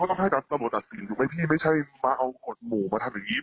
ต้องให้ตำรวจตัดสินถูกไหมพี่ไม่ใช่มาเอากฎหมู่มาทำอย่างนี้